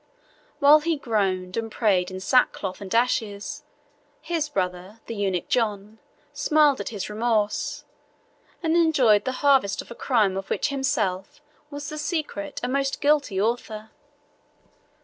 While he groaned and prayed in sackcloth and ashes, his brother, the eunuch John, smiled at his remorse, and enjoyed the harvest of a crime of which himself was the secret and most guilty author.